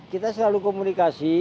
kita selalu komunikasi